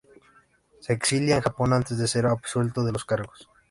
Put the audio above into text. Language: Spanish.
Se exilia en Japón antes de ser absuelto de los cargos.